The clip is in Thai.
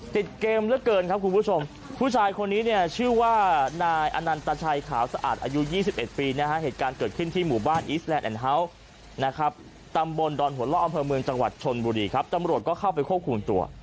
ติดเกมเหลือเกินครับคุณผู้ชมผู้ชายคนนี้เนี่ยชื่อว่านายอนันตชัยขาวสะอาดอายุ๒๑ปีนะฮะเหตุการณ์เกิดขึ้นที่หมู่บ้านอีสแลนดแอนเฮาส์นะครับตำบลดอนหัวล่ออำเภอเมืองจังหวัดชนบุรีครับตำรวจก็เข้าไปควบคุมตัว